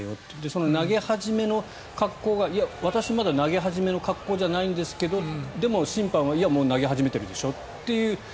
その投げ始めの格好が私、まだ投げ始めの格好じゃないんですけどでも、審判はもう投げ始めてるでしょという。